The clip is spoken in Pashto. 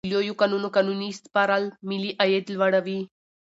د لویو کانونو قانوني سپارل ملي عاید لوړوي.